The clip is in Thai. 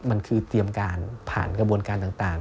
มันคือเตรียมการผ่านกระบวนการต่าง